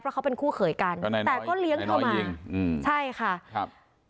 ประตู๓ครับ